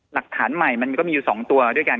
หลักฐานใหม่มันก็มีอยู่๒ตัวด้วยกัน